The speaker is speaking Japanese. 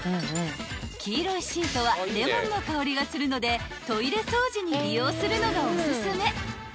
［黄色いシートはレモンの香りがするのでトイレ掃除に利用するのがおすすめ］